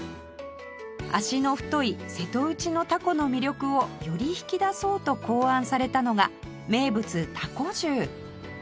足の太い瀬戸内のたこの魅力をより引き出そうと考案されたのが名物たこ重